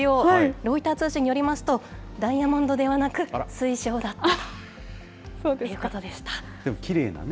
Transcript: ロイター通信によりますと、ダイヤモンドではなく水晶だったということでした。